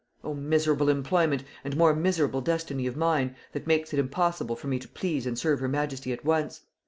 O! miserable employment, and more miserable destiny of mine, that makes it impossible for me to please and serve her majesty at once!